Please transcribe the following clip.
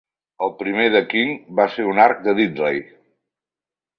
El primer de King va ser un arc de "diddley".